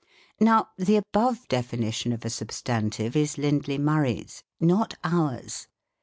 Now the above definition of a substantive is Lindley Murray's, not ours.